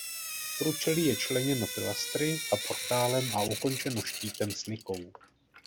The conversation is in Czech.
Průčelí je členěno pilastry a portálem a ukončeno štítem s nikou.